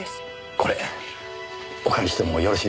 これお借りしてもよろしいですか？